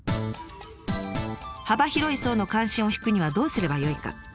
幅広い層の関心を引くにはどうすればよいか。